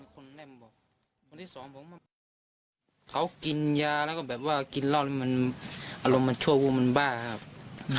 สำหรับคดีนี้ข้อหารหนัก๙ข้อหารโดนไปเรียบร้อยเลยนะคะ